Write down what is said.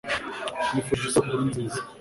nkwifurije isabukuru nziza